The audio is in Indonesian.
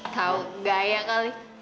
kau gak ayah kali